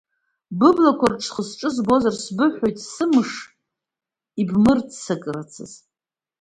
Быблақәа рҿы схы-сҿы збазар, сбыҳәоит, сымыш, иабмыркырцаз.